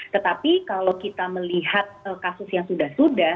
tetapi kalau kita melihat kasus yang sudah sudah